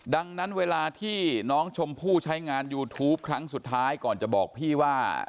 ดังนั้นเวลาที่น้องชมพู่ใช้งานยูทูปครั้งสุดท้ายก่อนจะบอกพี่ว่า